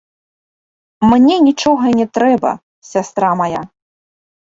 Мне нічога не трэба, сястра мая.